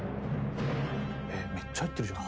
えっめっちゃ入ってるじゃん。